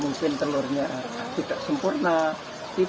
mungkin telurnya tidak sempurna